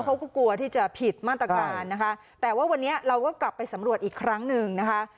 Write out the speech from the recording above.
เขาก็กลัวที่จะผิดมาตรการนะคะแต่ว่าวันนี้เราก็กลับไปสำรวจอีกครั้งหนึ่งนะคะ